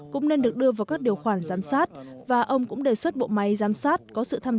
cũng nên được đưa vào các điều khoản giám sát và ông cũng đề xuất bộ máy giám sát có sự tham